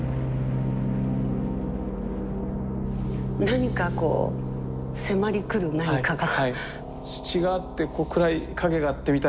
何かこう迫りくる何かが。